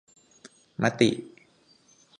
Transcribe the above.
มติ